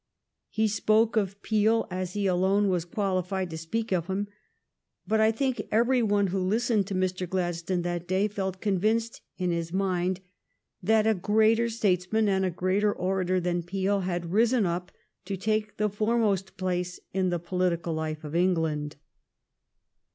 He spoke of Peel as he alone was qualified to speak of him; but I think every one who listened to Mr. Gladstone that day felt convinced in his mind that a greater statesman and a greater orator than Peel had risen up to take the foremost place in the politi cal life of England.